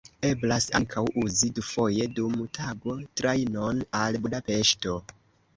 Eblas ankaŭ uzi dufoje dum tago trajnon al Budapeŝto.